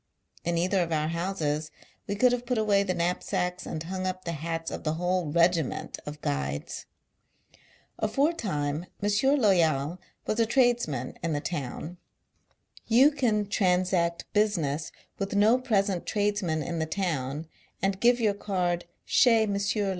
In either of our houses, we could Lave put away the knap sacks and hung up the hats, of the whole regiment of Guides. Aforetime, M. Loyal was a tradesman in the town. You can transact business with no present tradesman in the town, and give your card " chez M.